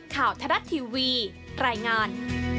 ข่าวทะละทีวีรายงาน